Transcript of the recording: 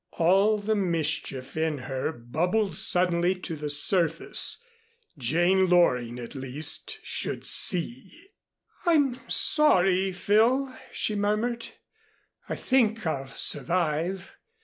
All the mischief in her bubbled suddenly to the surface. Jane Loring at least should see "I'm sorry, Phil," she murmured. "I think I'll survive.